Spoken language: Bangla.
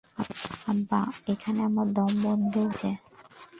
আব্বা এখানে আমার দমবন্ধ হয়ে আসছে।